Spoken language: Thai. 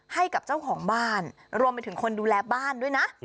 ให้กับเจ้าของบ้านรวมไปถึงคนดูแลบ้านด้วยนะ